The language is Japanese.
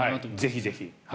ぜひぜひ。